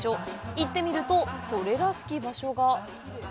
行ってみると、それらしき場所が。